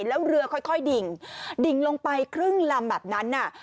แล้วเรือค่อยดิ่งดิ่งลงไปครึ่งลำแบบนั้นน่ะ